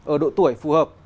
ở độ tuổi phù hợp